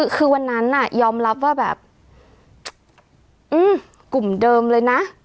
คือวันนั้นยอมรับว่าแบบกลุ่มเดิมเลยนะ